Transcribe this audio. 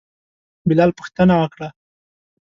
بلال پوښتنه وکړه.